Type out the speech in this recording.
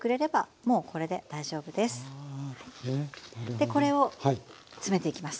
でこれを詰めていきます。